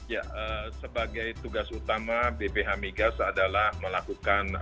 ya sebagai tugas utama bph migas adalah melakukan